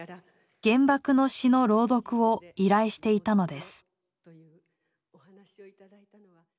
原爆の詩の朗読を依頼していたのです。